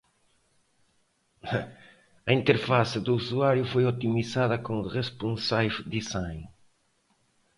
A interface de usuário foi otimizada com Responsive Design.